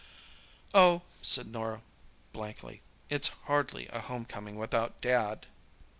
"Oh," said Norah, blankly. "It's hardly a homecoming without Dad."